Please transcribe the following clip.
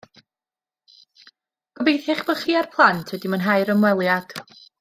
Gobeithio eich bod chi a'r plant wedi mwynhau'r ymweliad